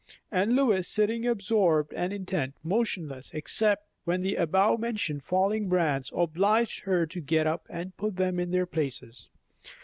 And Lois sitting absorbed and intent, motionless, except when the above mentioned falling brands obliged her to get up and put them in their places.